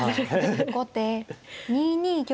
後手２二玉。